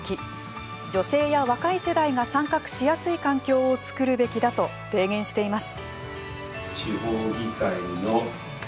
女性や若い世代が参画しやすい環境を作るべきだと提言しています。